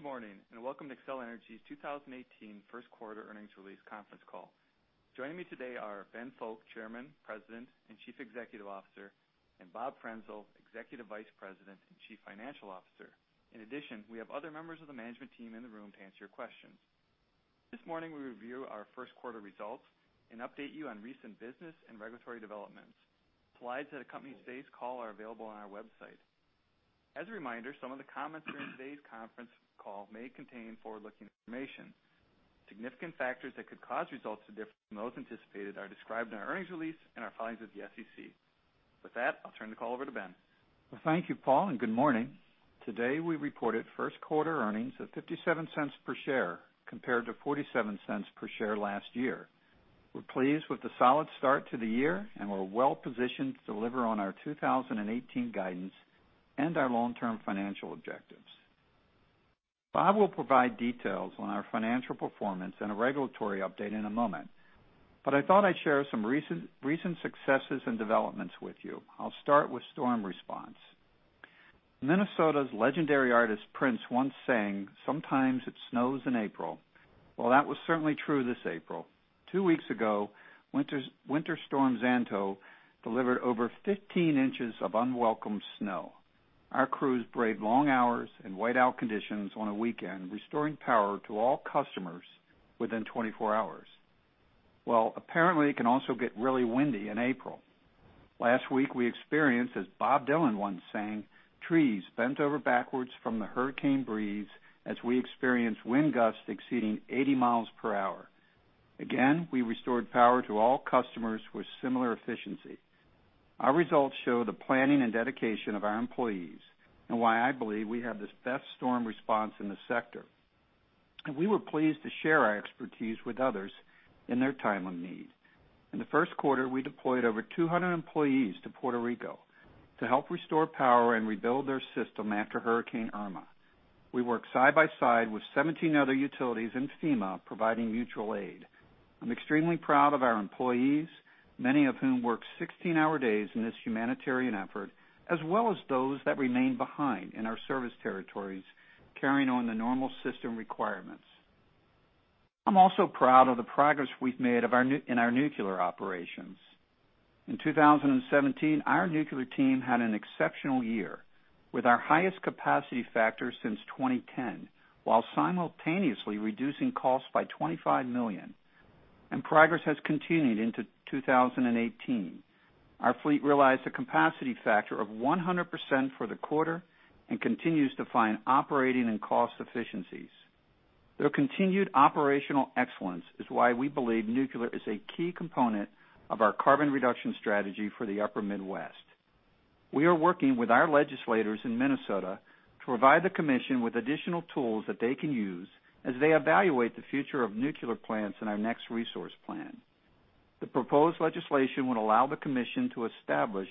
Good morning, welcome to Xcel Energy's 2018 first quarter earnings release conference call. Joining me today are Ben Fowke, Chairman, President, and Chief Executive Officer, and Bob Frenzel, Executive Vice President and Chief Financial Officer. In addition, we have other members of the management team in the room to answer your questions. This morning, we review our first quarter results and update you on recent business and regulatory developments. Slides that accompany today's call are available on our website. As a reminder, some of the comments during today's conference call may contain forward-looking information. Significant factors that could cause results to differ from those anticipated are described in our earnings release and our filings with the SEC. With that, I'll turn the call over to Ben. Well, thank you, Paul, and good morning. Today, we reported first-quarter earnings of $0.57 per share, compared to $0.47 per share last year. We're pleased with the solid start to the year, we're well-positioned to deliver on our 2018 guidance and our long-term financial objectives. Bob will provide details on our financial performance and a regulatory update in a moment, I thought I'd share some recent successes and developments with you. I'll start with storm response. Minnesota's legendary artist, Prince, once sang, "Sometimes it snows in April." Well, that was certainly true this April. Two weeks ago, Winter Storm Xanto delivered over 15 inches of unwelcome snow. Our crews braved long hours and whiteout conditions on a weekend, restoring power to all customers within 24 hours. Well, apparently, it can also get really windy in April. Last week, we experienced, as Bob Dylan once sang, trees bent over backwards from the hurricane breeze as we experienced wind gusts exceeding 80 miles per hour. Again, we restored power to all customers with similar efficiency. Our results show the planning and dedication of our employees and why I believe we have the best storm response in the sector. We were pleased to share our expertise with others in their time of need. In the first quarter, we deployed over 200 employees to Puerto Rico to help restore power and rebuild their system after Hurricane Irma. We worked side by side with 17 other utilities and FEMA, providing mutual aid. I'm extremely proud of our employees, many of whom worked 16-hour days in this humanitarian effort, as well as those that remained behind in our service territories, carrying on the normal system requirements. I'm also proud of the progress we've made in our nuclear operations. In 2017, our nuclear team had an exceptional year, with our highest capacity factor since 2010, while simultaneously reducing costs by $25 million, progress has continued into 2018. Our fleet realized a capacity factor of 100% for the quarter and continues to find operating and cost efficiencies. Their continued operational excellence is why we believe nuclear is a key component of our carbon reduction strategy for the upper Midwest. We are working with our legislators in Minnesota to provide the commission with additional tools that they can use as they evaluate the future of nuclear plants in our next resource plan. The proposed legislation would allow the commission to establish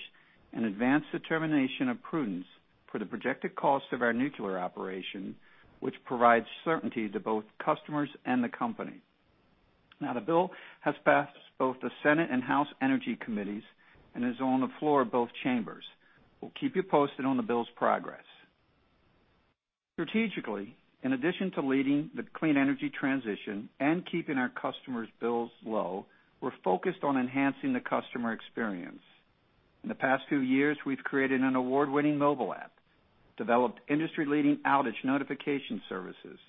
an advance determination of prudence for the projected cost of our nuclear operation, which provides certainty to both customers and the company. The bill has passed both the Senate and House Energy Committees and is on the floor of both chambers. We'll keep you posted on the bill's progress. Strategically, in addition to leading the clean energy transition and keeping our customers' bills low, we're focused on enhancing the customer experience. In the past few years, we've created an award-winning mobile app, developed industry-leading outage notification services,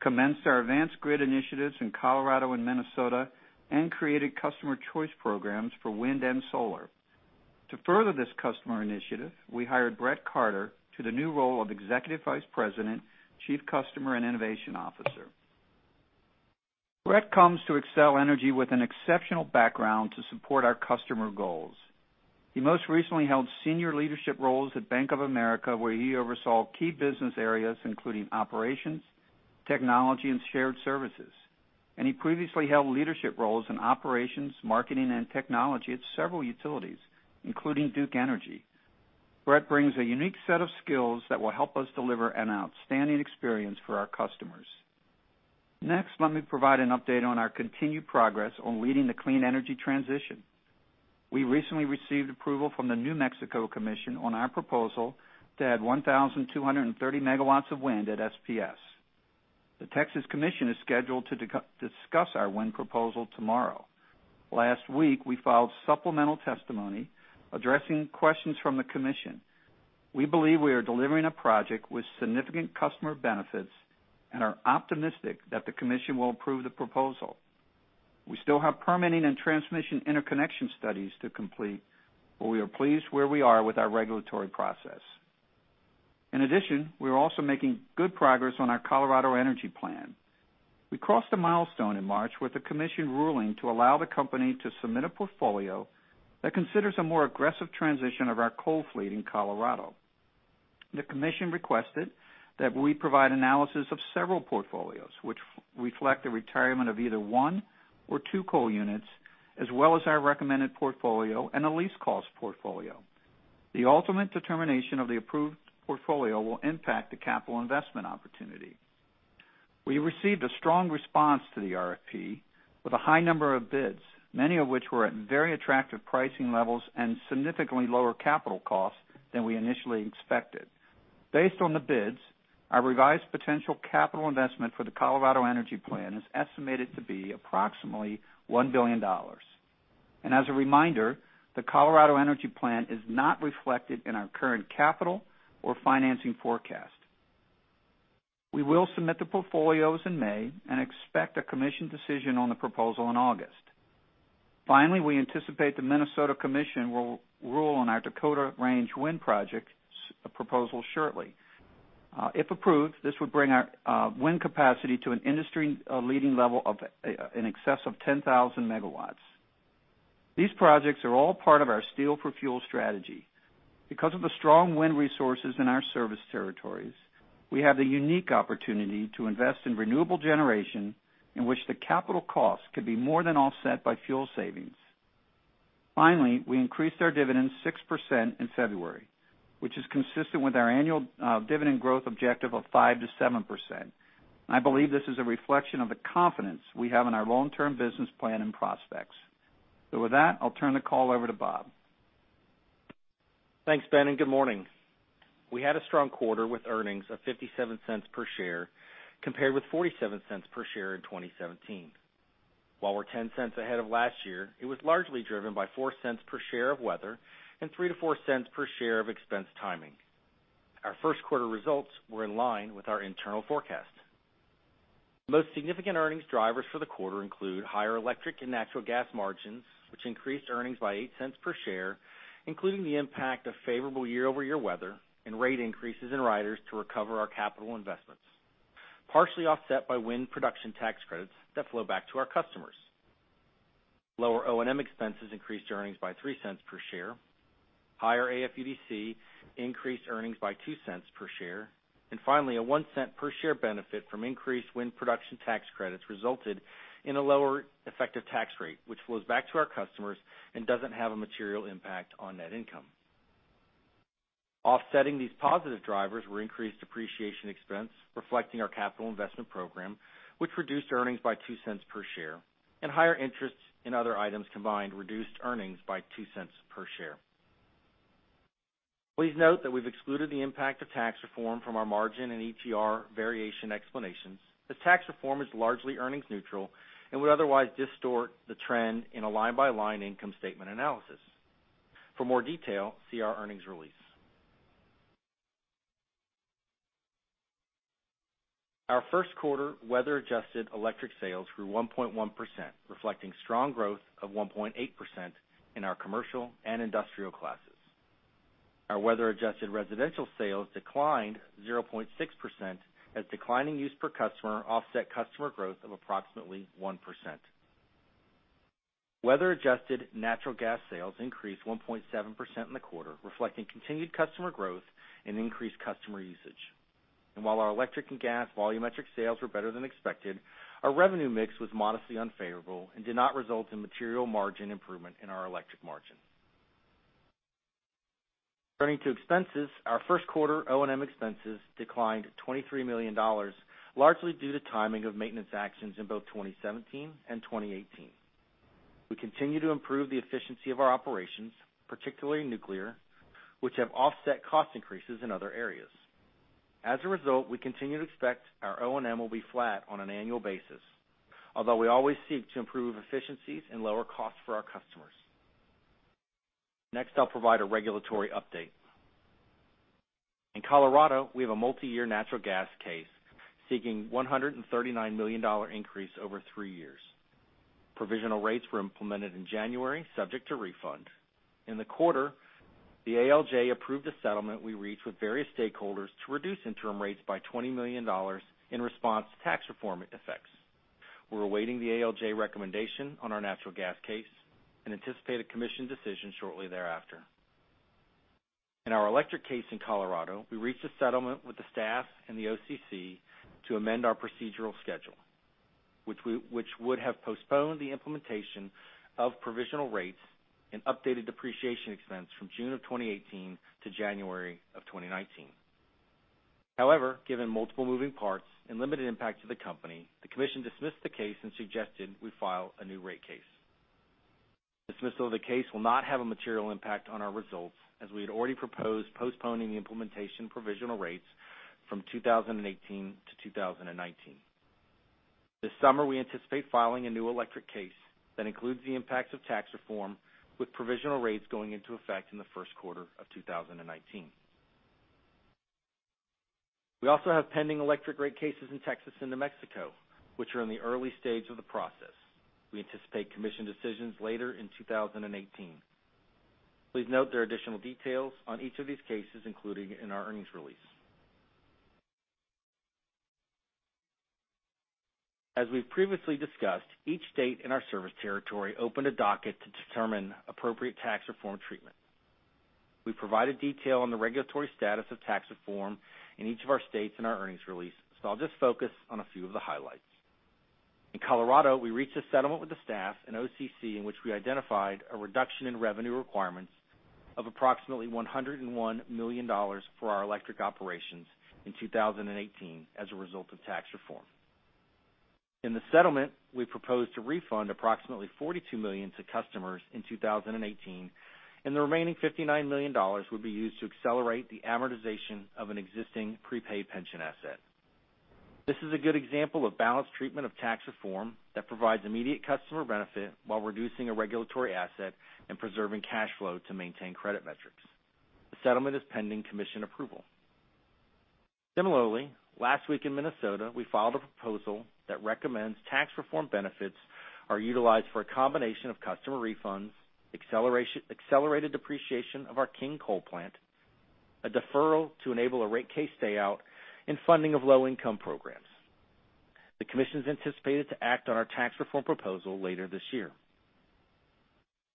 commenced our advanced grid initiatives in Colorado and Minnesota, and created customer choice programs for wind and solar. To further this customer initiative, we hired Brett Carter to the new role of Executive Vice President, Chief Customer and Innovation Officer. Brett comes to Xcel Energy with an exceptional background to support our customer goals. He most recently held senior leadership roles at Bank of America, where he oversaw key business areas, including operations, technology, and shared services. He previously held leadership roles in operations, marketing, and technology at several utilities, including Duke Energy. Brett brings a unique set of skills that will help us deliver an outstanding experience for our customers. Next, let me provide an update on our continued progress on leading the clean energy transition. We recently received approval from the New Mexico Commission on our proposal to add 1,230 megawatts of wind at SPS. The Texas Commission is scheduled to discuss our wind proposal tomorrow. Last week, we filed supplemental testimony addressing questions from the commission. We believe we are delivering a project with significant customer benefits and are optimistic that the commission will approve the proposal. We still have permitting and transmission interconnection studies to complete, but we are pleased where we are with our regulatory process. We are also making good progress on our Colorado Energy Plan. We crossed a milestone in March with the commission ruling to allow the company to submit a portfolio that considers a more aggressive transition of our coal fleet in Colorado. The commission requested that we provide analysis of several portfolios, which reflect the retirement of either one or two coal units, as well as our recommended portfolio and a least cost portfolio. The ultimate determination of the approved portfolio will impact the capital investment opportunity. We received a strong response to the RFP with a high number of bids, many of which were at very attractive pricing levels and significantly lower capital costs than we initially expected. Based on the bids, our revised potential capital investment for the Colorado Energy Plan is estimated to be approximately $1 billion. As a reminder, the Colorado Energy Plan is not reflected in our current capital or financing forecast. We will submit the portfolios in May and expect a commission decision on the proposal in August. Finally, we anticipate the Minnesota Commission will rule on our Dakota Range Wind Project proposal shortly. If approved, this would bring our wind capacity to an industry-leading level of in excess of 10,000 megawatts. These projects are all part of our Steel for Fuel strategy. Because of the strong wind resources in our service territories, we have the unique opportunity to invest in renewable generation in which the capital cost could be more than offset by fuel savings. Finally, we increased our dividends 6% in February, which is consistent with our annual dividend growth objective of 5%-7%. I believe this is a reflection of the confidence we have in our long-term business plan and prospects. With that, I'll turn the call over to Bob. Thanks, Ben, good morning. We had a strong quarter with earnings of $0.57 per share compared with $0.47 per share in 2017. While we're $0.10 ahead of last year, it was largely driven by $0.04 per share of weather and $0.03-$0.04 per share of expense timing. Our first quarter results were in line with our internal forecast. Most significant earnings drivers for the quarter include higher electric and natural gas margins, which increased earnings by $0.08 per share, including the impact of favorable year-over-year weather and rate increases in riders to recover our capital investments, partially offset by wind production tax credits that flow back to our customers. Lower O&M expenses increased earnings by $0.03 per share. Higher AFUDC increased earnings by $0.02 per share. Finally, a $0.01 per share benefit from increased wind production tax credits resulted in a lower effective tax rate, which flows back to our customers and doesn't have a material impact on net income. Offsetting these positive drivers were increased depreciation expense, reflecting our capital investment program, which reduced earnings by $0.02 per share, and higher interest in other items combined reduced earnings by $0.02 per share. Please note that we've excluded the impact of tax reform from our margin and ETR variation explanations, as tax reform is largely earnings neutral and would otherwise distort the trend in a line-by-line income statement analysis. For more detail, see our earnings release. Our first quarter weather-adjusted electric sales grew 1.1%, reflecting strong growth of 1.8% in our commercial and industrial classes. Our weather-adjusted residential sales declined 0.6% as declining use per customer offset customer growth of approximately 1%. Weather-adjusted natural gas sales increased 1.7% in the quarter, reflecting continued customer growth and increased customer usage. While our electric and gas volumetric sales were better than expected, our revenue mix was modestly unfavorable and did not result in material margin improvement in our electric margin. Turning to expenses, our first quarter O&M expenses declined $23 million, largely due to timing of maintenance actions in both 2017 and 2018. We continue to improve the efficiency of our operations, particularly in nuclear, which have offset cost increases in other areas. As a result, we continue to expect our O&M will be flat on an annual basis, although we always seek to improve efficiencies and lower costs for our customers. Next, I'll provide a regulatory update. In Colorado, we have a multi-year natural gas case seeking $139 million increase over three years. Provisional rates were implemented in January, subject to refund. In the quarter, the ALJ approved a settlement we reached with various stakeholders to reduce interim rates by $20 million in response to tax reform effects. We're awaiting the ALJ recommendation on our natural gas case and anticipate a commission decision shortly thereafter. In our electric case in Colorado, we reached a settlement with the staff and the OCC to amend our procedural schedule, which would have postponed the implementation of provisional rates and updated depreciation expense from June of 2018 to January of 2019. Given multiple moving parts and limited impact to the company, the commission dismissed the case and suggested we file a new rate case. Dismissal of the case will not have a material impact on our results, as we had already proposed postponing the implementation provisional rates from 2018 to 2019. This summer, we anticipate filing a new electric case that includes the impacts of tax reform, with provisional rates going into effect in the first quarter of 2019. We also have pending electric rate cases in Texas and New Mexico, which are in the early stage of the process. We anticipate commission decisions later in 2018. Please note there are additional details on each of these cases, including in our earnings release. As we've previously discussed, each state in our service territory opened a docket to determine appropriate tax reform treatment. We provided detail on the regulatory status of tax reform in each of our states in our earnings release, so I'll just focus on a few of the highlights. In Colorado, we reached a settlement with the staff and OCC in which we identified a reduction in revenue requirements of approximately $101 million for our electric operations in 2018 as a result of tax reform. In the settlement, we proposed to refund approximately $42 million to customers in 2018. The remaining $59 million would be used to accelerate the amortization of an existing prepaid pension asset. This is a good example of balanced treatment of tax reform that provides immediate customer benefit while reducing a regulatory asset and preserving cash flow to maintain credit metrics. The settlement is pending commission approval. Similarly, last week in Minnesota, we filed a proposal that recommends tax reform benefits are utilized for a combination of customer refunds, accelerated depreciation of our King Coal Plant, a deferral to enable a rate case stay out, and funding of low-income programs. The commission's anticipated to act on our tax reform proposal later this year.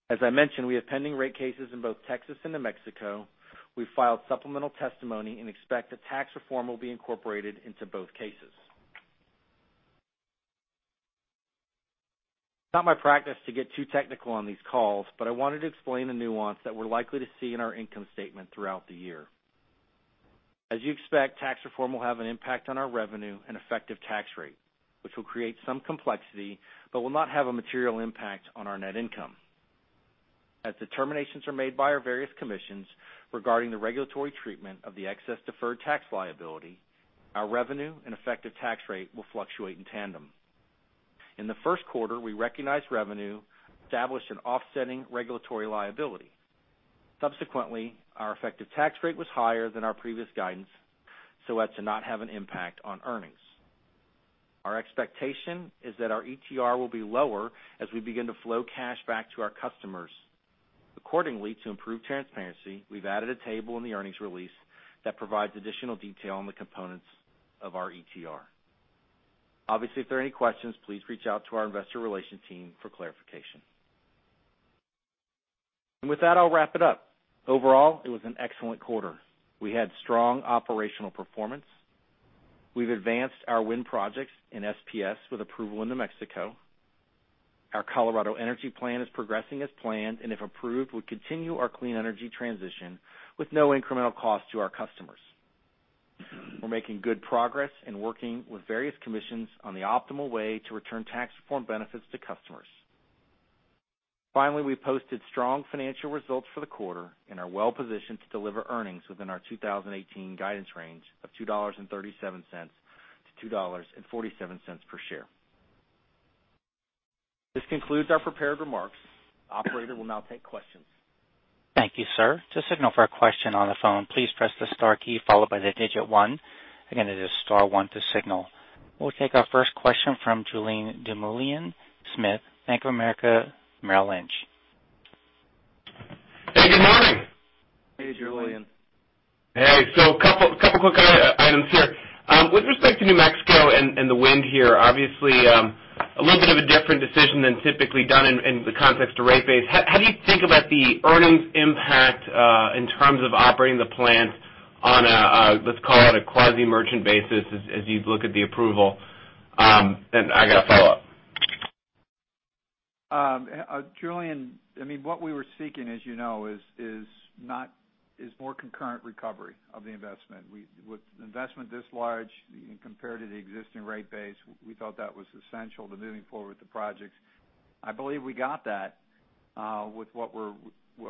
As I mentioned, we have pending rate cases in both Texas and New Mexico. We filed supplemental testimony and expect that tax reform will be incorporated into both cases. It's not my practice to get too technical on these calls, but I wanted to explain the nuance that we're likely to see in our income statement throughout the year. As you expect, tax reform will have an impact on our revenue and effective tax rate, which will create some complexity but will not have a material impact on our net income. As determinations are made by our various commissions regarding the regulatory treatment of the excess deferred tax liability, our revenue and effective tax rate will fluctuate in tandem. In the first quarter, we recognized revenue, established an offsetting regulatory liability. Subsequently, our effective tax rate was higher than our previous guidance, as to not have an impact on earnings. Our expectation is that our ETR will be lower as we begin to flow cash back to our customers. Accordingly, to improve transparency, we've added a table in the earnings release that provides additional detail on the components of our ETR. Obviously, if there are any questions, please reach out to our investor relation team for clarification. With that, I'll wrap it up. Overall, it was an excellent quarter. We had strong operational performance. We've advanced our wind projects in SPS with approval in New Mexico. Our Colorado Energy Plan is progressing as planned, and if approved, we continue our clean energy transition with no incremental cost to our customers. We're making good progress in working with various commissions on the optimal way to return tax reform benefits to customers. Finally, we posted strong financial results for the quarter and are well-positioned to deliver earnings within our 2018 guidance range of $2.37-$2.47 per share. This concludes our prepared remarks. Operator will now take questions. Thank you, sir. To signal for a question on the phone, please press the star key followed by the digit 1. Again, it is star 1 to signal. We'll take our first question from Julien Dumoulin-Smith, Bank of America Merrill Lynch. Hey, good morning. Hey, Julien. Hey. A couple quick items here. With respect to New Mexico and the wind here, obviously, a little bit of a different decision than typically done in the context of rate base. How do you think about the earnings impact, in terms of operating the plant on a, let's call it, a quasi-merchant basis as you look at the approval? I got a follow-up. Julien, what we were seeking, as you know, is more concurrent recovery of the investment. With investment this large compared to the existing rate base, we thought that was essential to moving forward with the projects. I believe we got that with what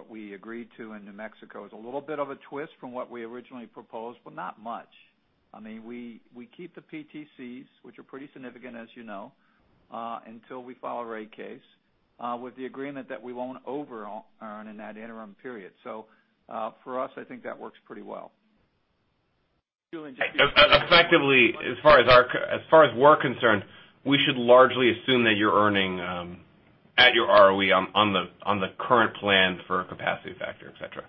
we agreed to in New Mexico. It's a little bit of a twist from what we originally proposed, but not much. We keep the PTCs, which are pretty significant as you know, until we file a rate case, with the agreement that we won't over-earn in that interim period. For us, I think that works pretty well. Effectively, as far as we're concerned, we should largely assume that you're earning at your ROE on the current plan for capacity factor, et cetera.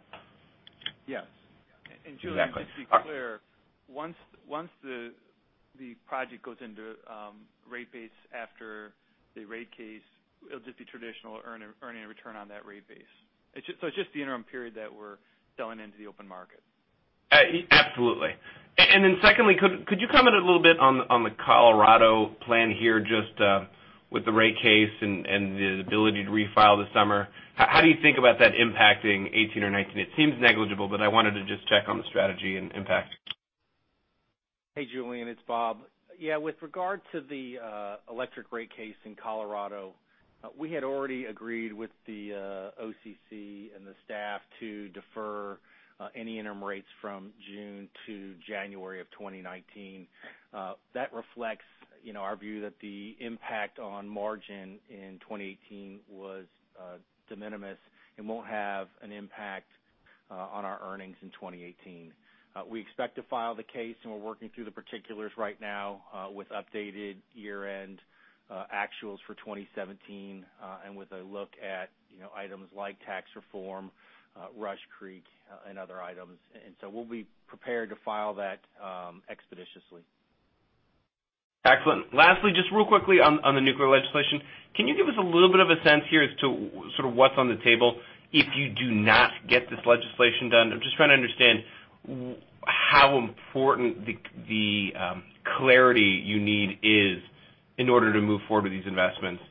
Yes. Exactly. Julien, just to be clear, once the project goes into rate base after the rate case, it'll just be traditional earning a return on that rate base. It's just the interim period that we're selling into the open market. Absolutely. Secondly, could you comment a little bit on the Colorado Plan here, just with the rate case and the ability to refile this summer. How do you think about that impacting 2018 or 2019? It seems negligible, but I wanted to just check on the strategy and impact. Hey, Julien, it's Bob. Yeah, with regard to the electric rate case in Colorado, we had already agreed with the OCC and the staff to defer any interim rates from June to January of 2019. That reflects our view that the impact on margin in 2018 was de minimis and won't have an impact on our earnings in 2018. We expect to file the case, and we're working through the particulars right now with updated year-end actuals for 2017, with a look at items like tax reform, Rush Creek, and other items. We'll be prepared to file that expeditiously. Excellent. Lastly, just real quickly on the nuclear legislation, can you give us a little bit of a sense here as to sort of what's on the table if you do not get this legislation done? I'm just trying to understand how important the clarity you need is in order to move forward with these investments,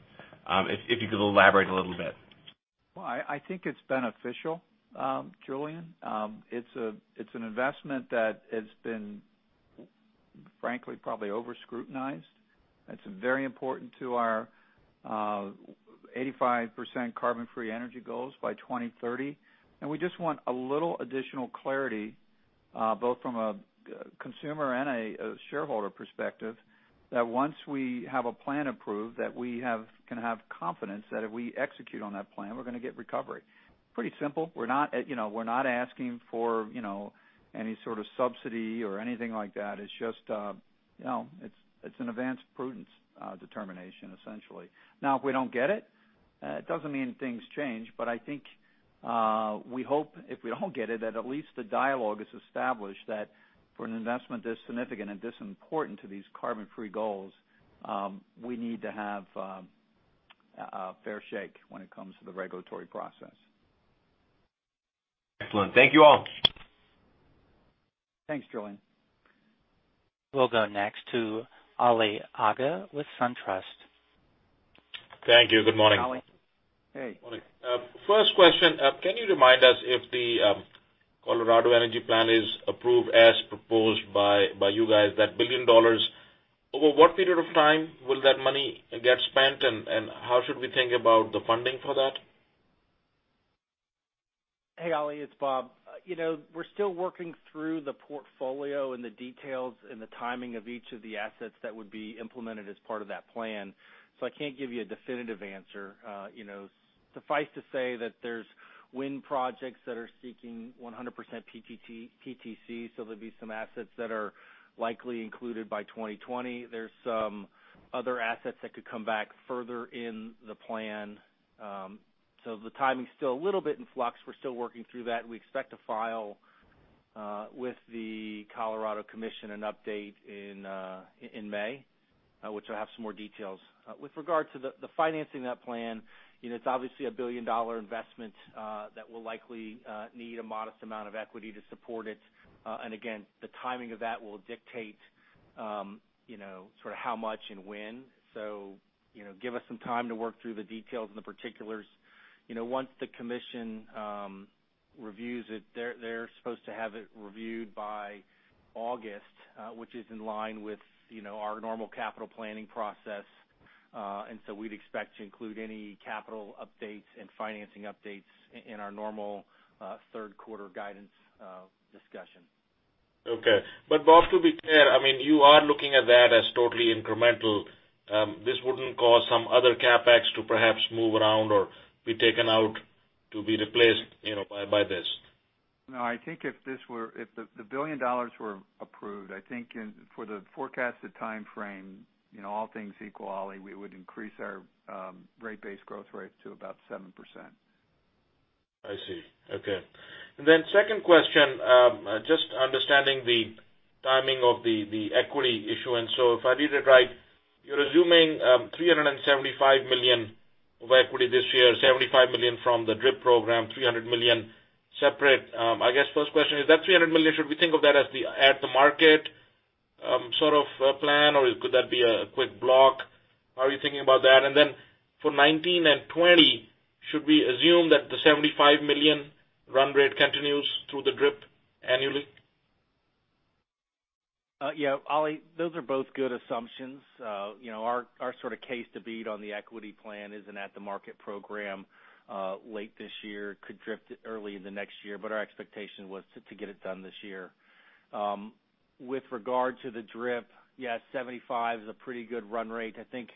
if you could elaborate a little bit. I think it's beneficial, Julien. It's an investment that has been, frankly, probably over-scrutinized. It's very important to our 85% carbon-free energy goals by 2030. We just want a little additional clarity, both from a consumer and a shareholder perspective, that once we have a plan approved, that we can have confidence that if we execute on that plan, we're going to get recovery. Pretty simple. We're not asking for any sort of subsidy or anything like that. It's an advanced prudence determination, essentially. If we don't get it doesn't mean things change. I think we hope if we don't get it, that at least the dialogue is established that for an investment this significant and this important to these carbon-free goals, we need to have a fair shake when it comes to the regulatory process. Excellent. Thank you all. Thanks, Julien. We'll go next to Ali Agha with SunTrust. Thank you. Good morning. Ali. Hey. Morning. First question, can you remind us if the Colorado Energy Plan is approved as proposed by you guys, that $1 billion, over what period of time will that money get spent, and how should we think about the funding for that? Hey, Ali, it's Bob. We're still working through the portfolio and the details and the timing of each of the assets that would be implemented as part of that plan, so I can't give you a definitive answer. Suffice to say that there's wind projects that are seeking 100% PTC, so there'll be some assets that are likely included by 2020. There's some other assets that could come back further in the plan. The timing's still a little bit in flux. We're still working through that, and we expect to file with the Colorado Commission an update in May, which will have some more details. With regard to the financing that plan, it's obviously a $1 billion investment that will likely need a modest amount of equity to support it. Again, the timing of that will dictate sort of how much and when. Give us some time to work through the details and the particulars. Once the Commission reviews it, they're supposed to have it reviewed by August which is in line with our normal capital planning process. We'd expect to include any capital updates and financing updates in our normal third quarter guidance discussion. Okay. Bob, to be clear, you are looking at that as totally incremental. This wouldn't cause some other CapEx to perhaps move around or be taken out to be replaced by this. I think if the $1 billion were approved, I think for the forecasted timeframe, all things equal, Ali, we would increase our rate base growth rate to about 7%. I see. Okay. Second question, just understanding the timing of the equity issuance. If I read it right, you're assuming $375 million of equity this year, $75 million from the DRIP program, $300 million separate. First question, is that $300 million, should we think of that as the at-the-market sort of plan, or could that be a quick block? How are you thinking about that? For 2019 and 2020, should we assume that the $75 million run rate continues through the DRIP annually? Ali, those are both good assumptions. Our sort of case to beat on the equity plan is an at-the-market program late this year. Could drift early in the next year, but our expectation was to get it done this year. With regard to the DRIP, 75 is a pretty good run rate. I think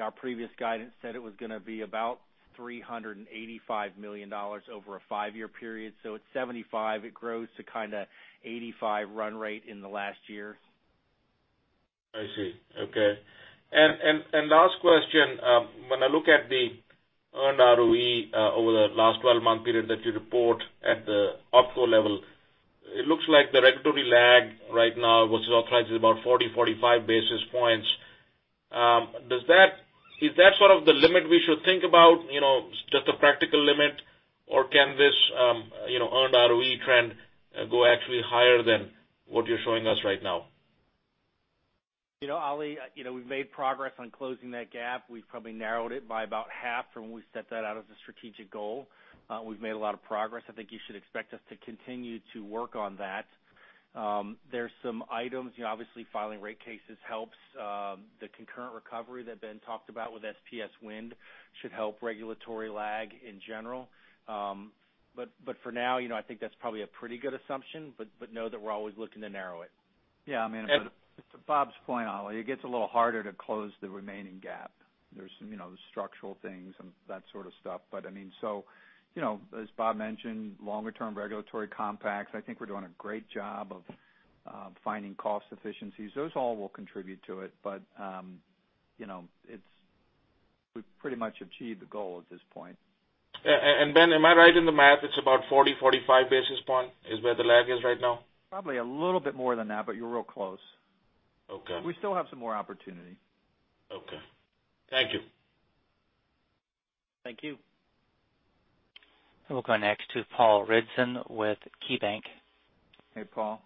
our previous guidance said it was going to be about $385 million over a 5-year period. At 75, it grows to kind of 85 run rate in the last year. I see. Okay. Last question. When I look at the earned ROE over the last 12-month period that you report at the OpCo level, it looks like the regulatory lag right now, which is authorized, is about 40, 45 basis points. Is that sort of the limit we should think about, just a practical limit, or can this earned ROE trend go actually higher than what you're showing us right now? Ali, we've made progress on closing that gap. We've probably narrowed it by about half from when we set that out as a strategic goal. We've made a lot of progress. I think you should expect us to continue to work on that. There's some items, obviously filing rate cases helps. The concurrent recovery that Ben talked about with SPS wind should help regulatory lag in general. For now, I think that's probably a pretty good assumption, but know that we're always looking to narrow it. Yeah, to Bob's point, Ali, it gets a little harder to close the remaining gap. There's some structural things and that sort of stuff. As Bob mentioned, longer-term regulatory compacts, I think we're doing a great job of finding cost efficiencies. Those all will contribute to it, but we've pretty much achieved the goal at this point. Ben, am I right in the math? It's about 40, 45 basis point is where the lag is right now? Probably a little bit more than that, but you're real close. Okay. We still have some more opportunity. Okay. Thank you. Thank you. We'll go next to Paul Ridzon with KeyBanc. Hey, Paul.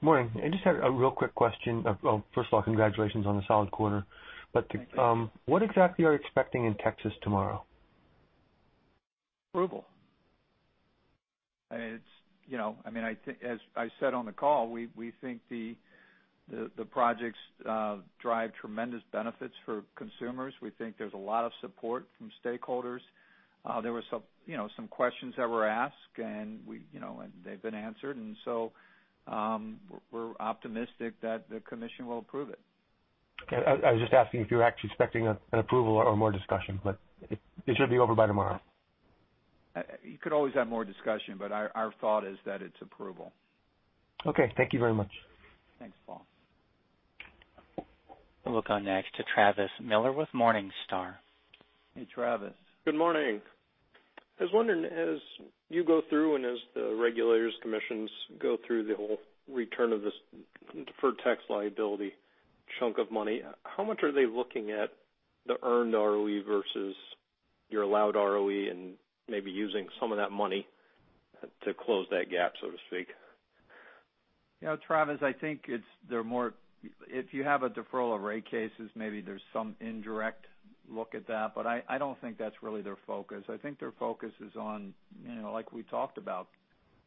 Morning. I just had a real quick question. First of all, congratulations on the solid quarter. Thank you. What exactly are you expecting in Texas tomorrow? Approval. As I said on the call, we think the projects drive tremendous benefits for consumers. We think there's a lot of support from stakeholders. There were some questions that were asked, and they've been answered. We're optimistic that the commission will approve it. Okay. I was just asking if you were actually expecting an approval or more discussion, it should be over by tomorrow. You could always have more discussion, our thought is that it's approval. Okay. Thank you very much. Thanks, Paul. We'll go next to Travis Miller with Morningstar. Hey, Travis. Good morning. I was wondering, as you go through and as the regulators, commissions go through the whole return of this deferred tax liability chunk of money, how much are they looking at the earned ROE versus your allowed ROE and maybe using some of that money to close that gap, so to speak? Travis, I think if you have a deferral of rate cases, maybe there's some indirect look at that. I don't think that's really their focus. I think their focus is on, like we talked about,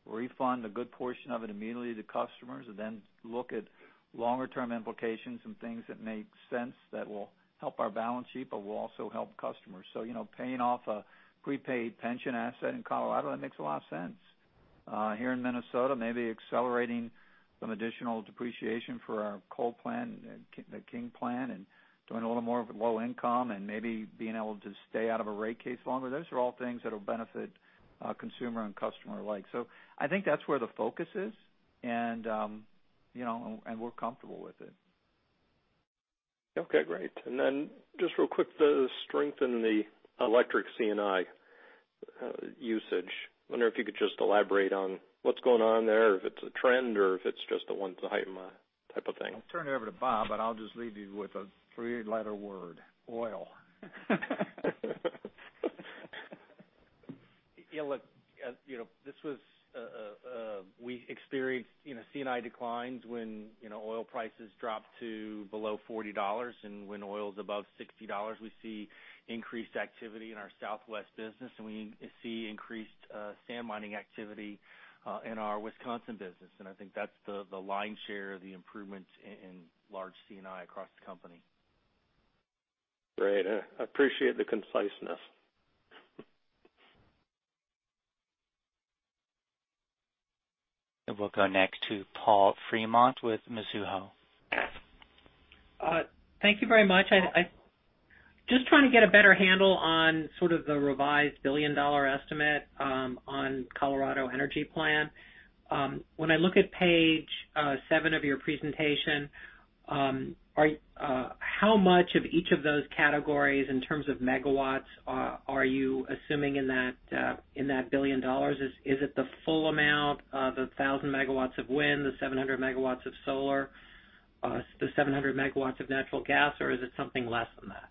refund a good portion of it immediately to customers and then look at longer-term implications and things that make sense that will help our balance sheet but will also help customers. Paying off a prepaid pension asset in Colorado, that makes a lot of sense. Here in Minnesota, maybe accelerating some additional depreciation for our coal plant and the King plant and doing a little more with low income and maybe being able to stay out of a rate case longer. Those are all things that'll benefit consumer and customer alike. I think that's where the focus is, and we're comfortable with it. Okay, great. Then just real quick, the strength in the electric C&I usage. Wonder if you could just elaborate on what's going on there or if it's a trend or if it's just a one-time type of thing. I'll turn it over to Bob, but I'll just leave you with a three-letter word, oil. Yeah, look. We experienced C&I declines when oil prices dropped to below $40. When oil's above $60, we see increased activity in our Southwest business, and we see increased sand mining activity in our Wisconsin business. I think that's the lion's share of the improvements in large C&I across the company. Great. I appreciate the conciseness. We'll go next to Paul Fremont with Mizuho. Thank you very much. Just trying to get a better handle on sort of the revised billion-dollar estimate on Colorado Energy Plan. When I look at page seven of your presentation, how much of each of those categories in terms of megawatts are you assuming in that billion dollars? Is it the full amount of 1,000 megawatts of wind, the 700 megawatts of solar, the 700 megawatts of natural gas, or is it something less than that?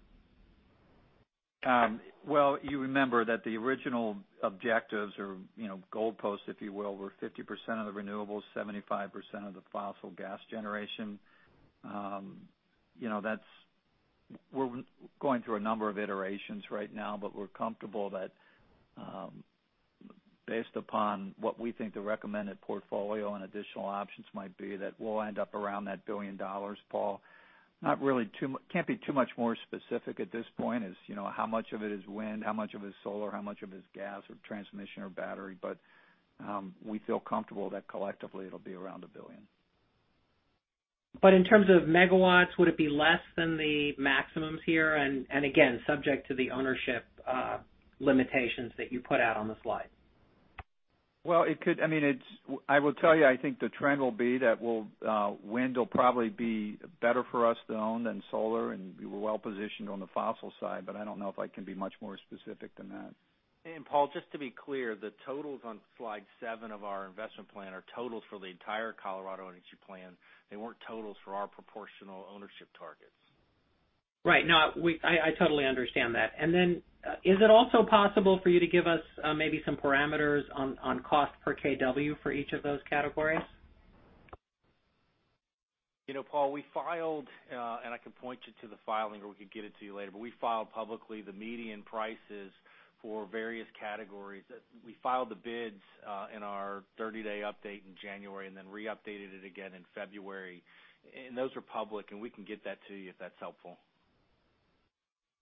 Well, you remember that the original objectives or goalpost, if you will, were 50% of the renewables, 75% of the fossil gas generation. We're going through a number of iterations right now, we're comfortable that based upon what we think the recommended portfolio and additional options might be, that we'll end up around that $1 billion, Paul. Can't be too much more specific at this point as how much of it is wind, how much of it is solar, how much of it is gas or transmission or battery. We feel comfortable that collectively it'll be around $1 billion. In terms of MW, would it be less than the maximums here? Again, subject to the ownership limitations that you put out on the slide. I will tell you, I think the trend will be that wind will probably be better for us to own than solar, we're well-positioned on the fossil side, I don't know if I can be much more specific than that. Paul, just to be clear, the totals on slide seven of our investment plan are totals for the entire Colorado Energy Plan. They weren't totals for our proportional ownership targets. Right. No, I totally understand that. Is it also possible for you to give us maybe some parameters on cost per kW for each of those categories? Paul, we filed, and I can point you to the filing, or we could get it to you later, but we filed publicly the median prices for various categories. We filed the bids in our 30-day update in January, then re-updated it again in February. Those are public, and we can get that to you if that's helpful.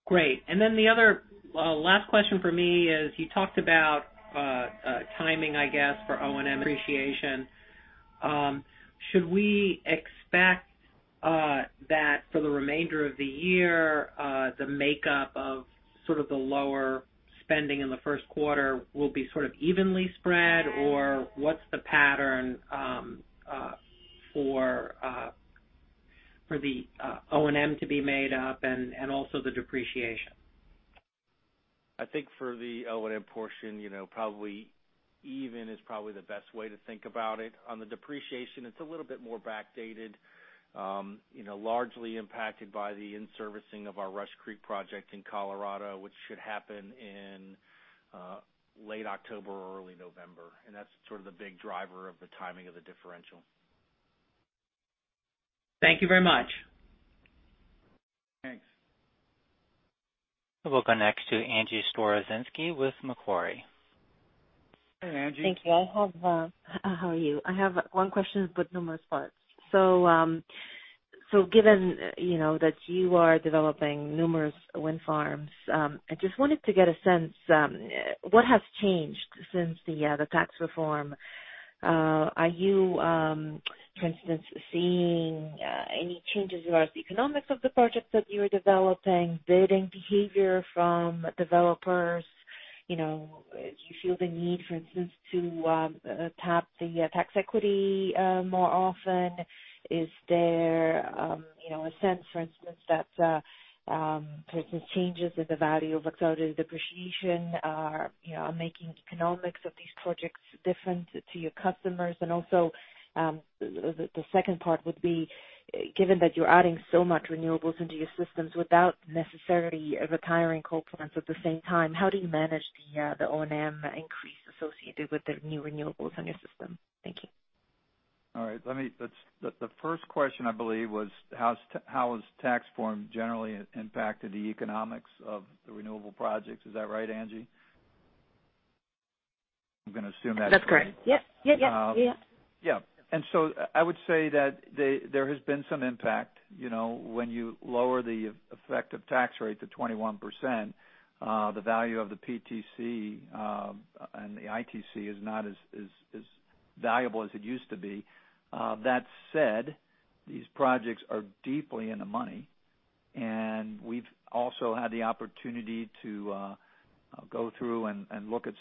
Great. The other last question from me is, you talked about timing, I guess, for O&M depreciation. Should we expect that for the remainder of the year, the makeup of sort of the lower spending in the first quarter will be sort of evenly spread, or what's the pattern for the O&M to be made up and also the depreciation? I think for the O&M portion, probably Even is probably the best way to think about it. On the depreciation, it's a little bit more backdated. Largely impacted by the in-servicing of our Rush Creek project in Colorado, which should happen in late October or early November. That's sort of the big driver of the timing of the differential. Thank you very much. Thanks. We'll go next to Angie Storozynski with Macquarie. Hi, Angie. Thank you. How are you? I have one question, but no response. Given that you are developing numerous wind farms, I just wanted to get a sense, what has changed since the tax reform? Are you, for instance, seeing any changes throughout the economics of the projects that you're developing, bidding behavior from developers? Do you feel the need, for instance, to tap the tax equity more often? Is there a sense, for instance, that, for instance, changes in the value of accelerated depreciation are making economics of these projects different to your customers? The second part would be, given that you're adding so much renewables into your systems without necessarily retiring coal plants at the same time, how do you manage the O&M increase associated with the new renewables on your system? Thank you. All right. The first question, I believe, was how has tax reform generally impacted the economics of the renewable projects? Is that right, Angie? I'm going to assume that's right. That's correct. Yep. Yeah. I would say that there has been some impact. When you lower the effective tax rate to 21%, the value of the PTC, and the ITC is not as valuable as it used to be. That said, these projects are deeply in the money, and we've also had the opportunity to go through and look at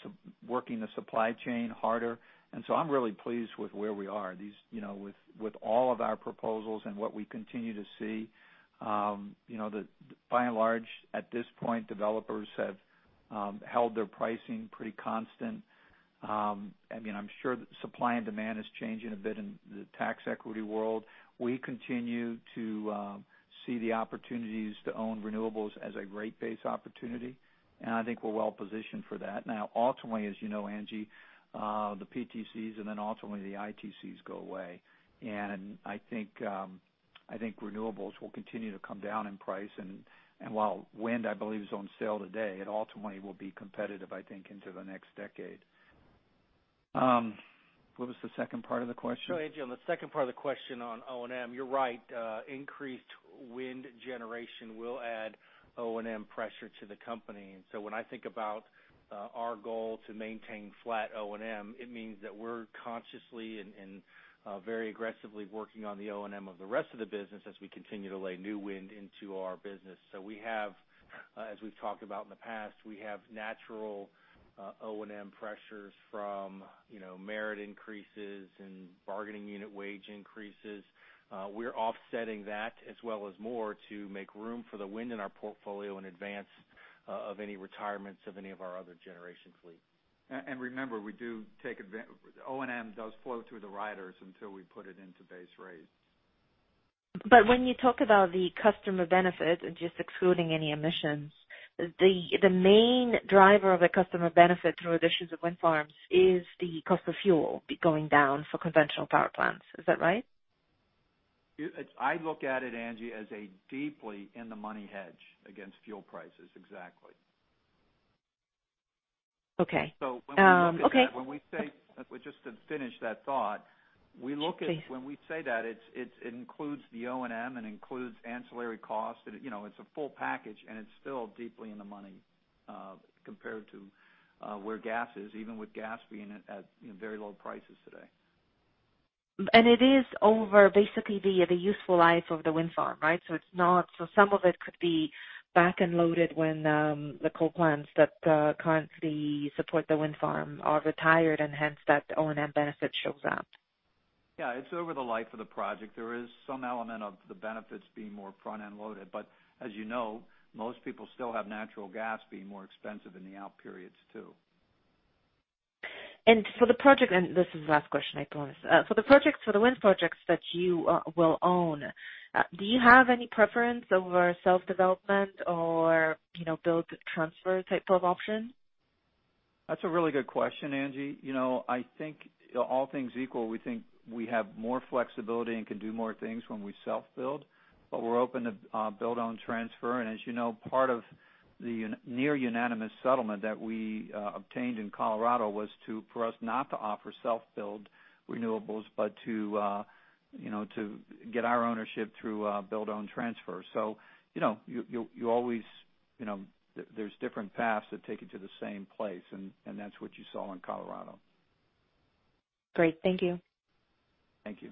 working the supply chain harder. I'm really pleased with where we are. With all of our proposals and what we continue to see. By and large, at this point, developers have held their pricing pretty constant. I'm sure supply and demand is changing a bit in the tax equity world. We continue to see the opportunities to own renewables as a rate base opportunity, and I think we're well-positioned for that. Now, ultimately, as you know, Angie, the PTCs and then ultimately the ITCs go away. I think renewables will continue to come down in price. While wind, I believe, is on sale today, it ultimately will be competitive, I think, into the next decade. What was the second part of the question? Angie, on the second part of the question on O&M, you're right. Increased wind generation will add O&M pressure to the company. When I think about our goal to maintain flat O&M, it means that we're consciously and very aggressively working on the O&M of the rest of the business as we continue to lay new wind into our business. We have, as we've talked about in the past, we have natural O&M pressures from merit increases and bargaining unit wage increases. We're offsetting that as well as more to make room for the wind in our portfolio in advance of any retirements of any of our other generation fleet. Remember, O&M does flow through the riders until we put it into base rate. When you talk about the customer benefit, just excluding any emissions, the main driver of the customer benefit through additions of wind farms is the cost of fuel going down for conventional power plants. Is that right? I look at it, Angie, as a deeply in the money hedge against fuel prices. Exactly. Okay. When we look at that, just to finish that thought. Please. When we say that, it includes the O&M, and includes ancillary costs. It's a full package, it's still deeply in the money, compared to where gas is, even with gas being at very low prices today. It is over basically the useful life of the wind farm. Right? Some of it could be back-end loaded when the coal plants that currently support the wind farm are retired and hence that O&M benefit shows up. Yeah. It's over the life of the project. There is some element of the benefits being more front-end loaded, but as you know, most people still have natural gas being more expensive in the out periods, too. For the project, and this is the last question, I promise. For the wind projects that you will own, do you have any preference over self-development or build-to-transfer type of option? That's a really good question, Angie. I think all things equal, we think we have more flexibility and can do more things when we self-build, but we're open to build-own-transfer. As you know, part of the near unanimous settlement that we obtained in Colorado was for us not to offer self-build renewables, but to get our ownership through a build-own-transfer. There's different paths that take you to the same place, and that's what you saw in Colorado. Great. Thank you. Thank you.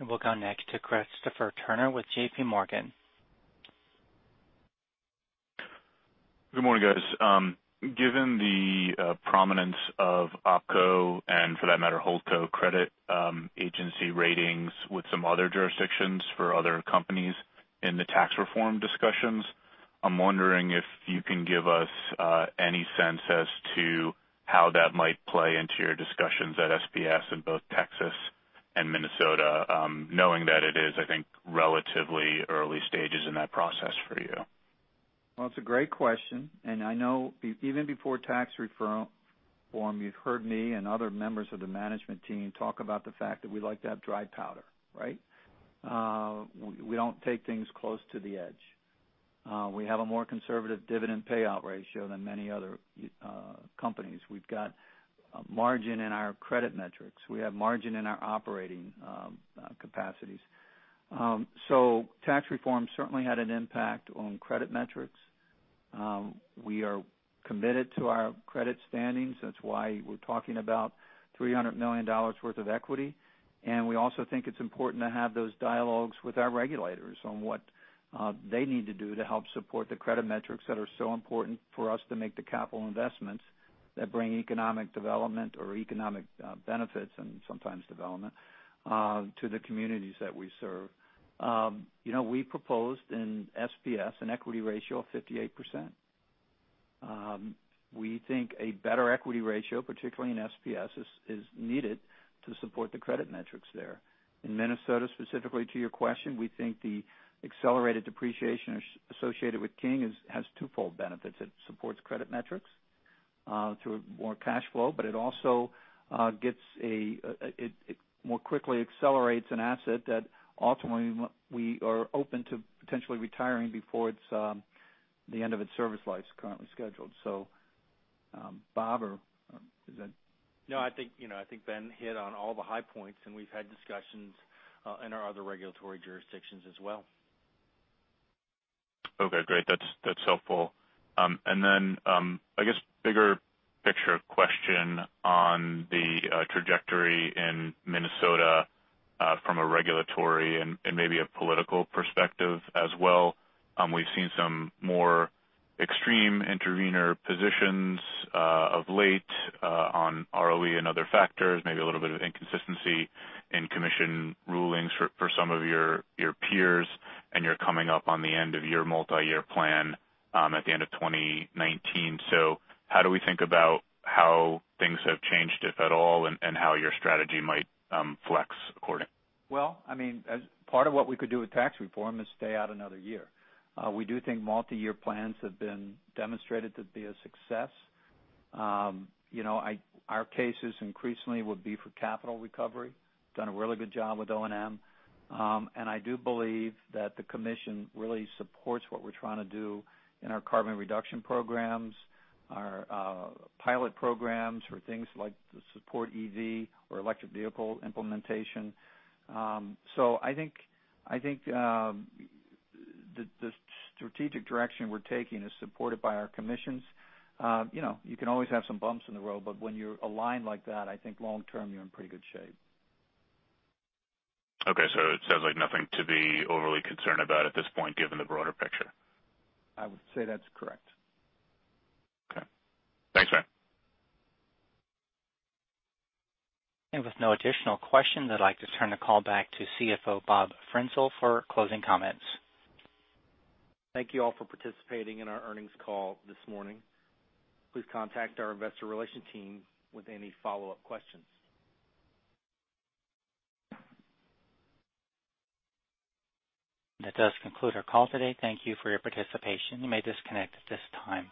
We'll go next to Christopher Turner with J.P. Morgan. Good morning, guys. Given the prominence of OpCo, and for that matter, HoldCo credit agency ratings with some other jurisdictions for other companies in the tax reform discussions, I'm wondering if you can give us any sense as to how that might play into your discussions at SPS in both Texas and Minnesota, knowing that it is, I think, relatively early stages in that process for you. It's a great question, and I know even before tax reform, you've heard me and other members of the management team talk about the fact that we like to have dry powder, right? We don't take things close to the edge. We have a more conservative dividend payout ratio than many other companies. We've got a margin in our credit metrics. We have margin in our operating capacities. Tax reform certainly had an impact on credit metrics. We are committed to our credit standings. That's why we're talking about $300 million worth of equity, and we also think it's important to have those dialogues with our regulators on what they need to do to help support the credit metrics that are so important for us to make the capital investments that bring economic development or economic benefits and sometimes development to the communities that we serve. We proposed in SPS an equity ratio of 58%. We think a better equity ratio, particularly in SPS, is needed to support the credit metrics there. In Minnesota, specifically to your question, we think the accelerated depreciation associated with King has twofold benefits. It supports credit metrics through more cash flow, but it also more quickly accelerates an asset that ultimately we are open to potentially retiring before the end of its service life currently scheduled. Bob? No, I think Ben hit on all the high points, and we've had discussions in our other regulatory jurisdictions as well. Okay, great. That's helpful. I guess, bigger picture question on the trajectory in Minnesota from a regulatory and maybe a political perspective as well. We've seen some more extreme intervener positions of late on ROE and other factors, maybe a little bit of inconsistency in commission rulings for some of your peers, and you're coming up on the end of your multi-year plan at the end of 2019. How do we think about how things have changed, if at all, and how your strategy might flex according? Part of what we could do with tax reform is stay out another year. We do think multi-year plans have been demonstrated to be a success. Our cases increasingly would be for capital recovery. Done a really good job with O&M. I do believe that the commission really supports what we're trying to do in our carbon reduction programs, our pilot programs for things like the support EV or electric vehicle implementation. I think the strategic direction we're taking is supported by our commissions. You can always have some bumps in the road, but when you're aligned like that, I think long-term, you're in pretty good shape. Okay, it sounds like nothing to be overly concerned about at this point, given the broader picture. I would say that's correct. Okay. Thanks, Ben. With no additional questions, I'd like to turn the call back to CFO Bob Frenzel for closing comments. Thank you all for participating in our earnings call this morning. Please contact our investor relations team with any follow-up questions. That does conclude our call today. Thank you for your participation. You may disconnect at this time.